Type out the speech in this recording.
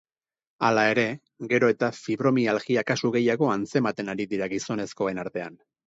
Hala ere, gero eta fibromialgia kasu gehiago antzematen ari dira gizonezkoen artean.